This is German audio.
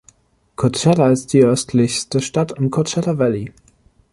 Coachella ist die östlichste Stadt im Coachella Valley.